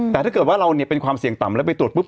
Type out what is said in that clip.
แต่ถ้าเกิดว่าเราเนี่ยเป็นความเสี่ยงต่ำแล้วไปตรวจปุ๊